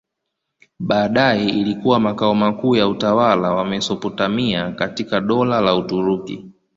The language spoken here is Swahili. Baadaye ilikuwa makao makuu ya utawala wa Mesopotamia katika Dola la Uturuki.